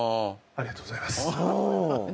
ありがとうございます。